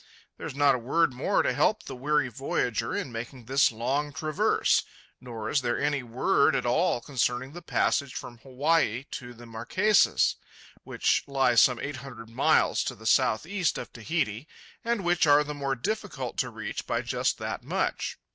There is not a word more to help the weary voyager in making this long traverse—nor is there any word at all concerning the passage from Hawaii to the Marquesas, which lie some eight hundred miles to the northeast of Tahiti and which are the more difficult to reach by just that much.